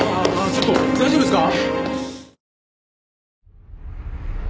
ちょっと大丈夫ですか？